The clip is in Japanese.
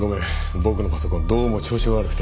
僕のパソコンどうも調子が悪くて。